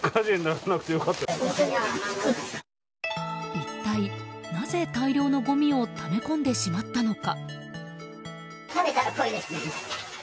一体、なぜ大量のごみをため込んでしまったのか。